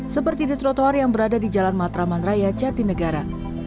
seperti di trotoar yang berada di jalan matraman raya jatinegara